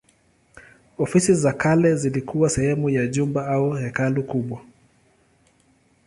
Ofisi za kale zilikuwa sehemu ya jumba au hekalu kubwa.